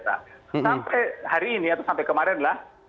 sampai hari ini atau sampai kemarin lah